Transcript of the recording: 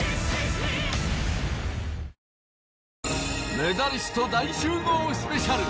メダリスト大集合スペシャル。